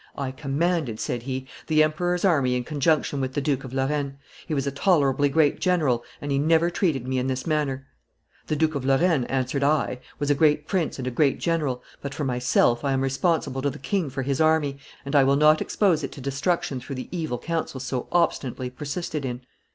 'I commanded,' said he, 'the emperor's army in conjunction with the Duke of Lorraine; he was a tolerably great general, and he never treated me in this manner.' 'The Duke of Lorraine,' answered I, 'was a great prince and a great general; but, for myself, I am responsible to the king for his army, and I will not expose it to destruction through the evil counsels so obstinately persisted in.